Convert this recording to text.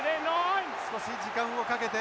少し時間をかけて。